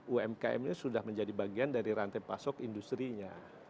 umkm ini sudah menjadi bagian dari rantai pasok industri nya